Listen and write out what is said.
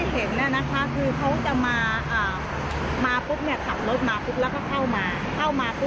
จอดมองมาก็มีสิ่งสุดแล้วมีปุ๊บช่วงจังหวัดแล้วไม่กี่นาที